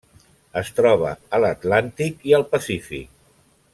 Es troba a l'Atlàntic i al Pacífic.